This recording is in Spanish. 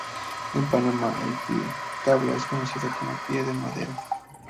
En Panamá el Pie-Tabla es conocido como Pie de Madera.